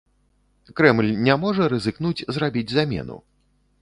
Крэмль не можа рызыкнуць зрабіць замену?